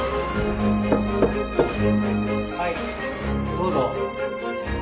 どうぞ。